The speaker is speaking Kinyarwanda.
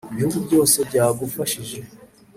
Ibihugu byose byagufashije